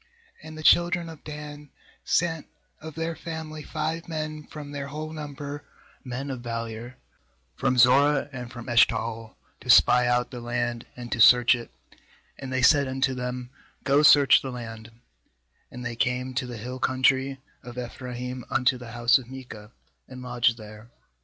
2And the children of Dan sent of their family five men from their whole number, men of valour, from Zorah, and from Eshtapl, to spy out the land, and to search it; and they said unto them: 'Go, search the land'; and they came to the hill country of Ephraim, unto the house of Micah, and lodged there.